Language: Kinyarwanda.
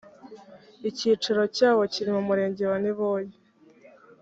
icyicaro cyawo kiri mu murenge wa niboye